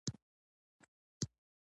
مستو په غږ غږ وکړ دا ګاونډ هم باید وپالو.